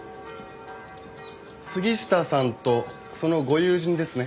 杉下さんとそのご友人ですね。